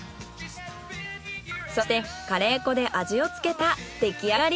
そしてカレー粉で味をつけたら出来上がり。